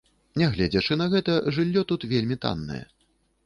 Нягледзячы на гэта, жыллё тут вельмі таннае.